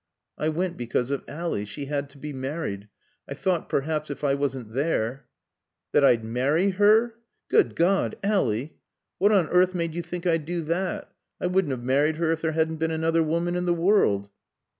"I went because of Ally. She had to be married. I thought perhaps if I wasn't there " "That I'd marry her? Good God! Ally! What on earth made you think I'd do that? I wouldn't have married her if there hadn't been another woman in the world."